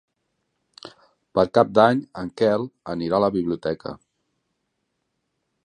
Per Cap d'Any en Quel anirà a la biblioteca.